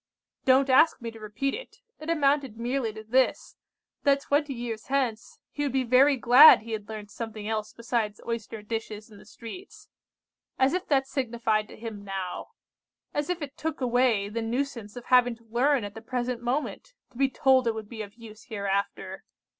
"Don't ask me to repeat it. It amounted merely to this, that twenty years hence he would he very glad he had learnt something else besides making oyster dishes in the streets. As if that signified to him now! As if it took away the nuisance of having to learn at the present moment, to be told it would be of use hereafter!